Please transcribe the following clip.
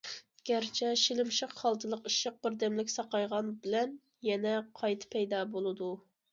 گەرچە شىلىمشىق خالتىلىق ئىششىق بىردەملىك ساقايغان بىلەن، يەنە قايتا پەيدا بولىدۇ.